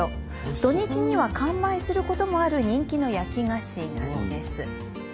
土日には完売することもある人気の焼き菓子なんです。